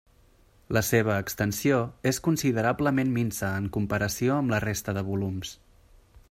La seva extensió és considerablement minsa en comparació amb la resta de volums.